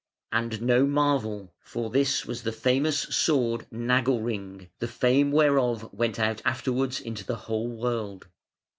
And no marvel, for this was the famous sword Nagelring, the fame whereof went out afterwards into the whole world.